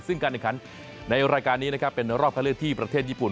ซึ่งการการในรายการนี้เป็นรอบค้าเลือกที่ประเทศญี่ปุ่น